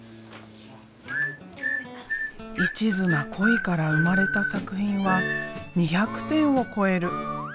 一途な恋から生まれた作品は２００点を超える。